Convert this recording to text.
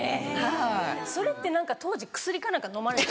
それって当時薬か何か飲まれて？